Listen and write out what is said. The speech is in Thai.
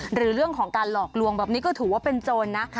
หรือเรื่องของการหลอกลวงแบบนี้ก็ถือว่าเป็นโจรนะ